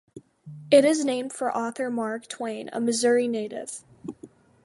It is named for author Mark Twain, a Missouri native.